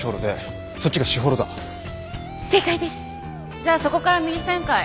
じゃあそこから右旋回。